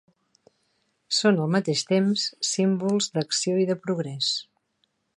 Són, al mateix temps, símbols d"acció i de progrés.